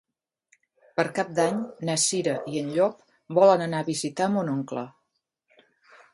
Per Cap d'Any na Cira i en Llop volen anar a visitar mon oncle.